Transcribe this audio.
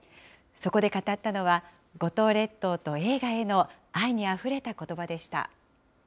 そこで語ったのは、五島列島と映画への愛にあふれたことばでした。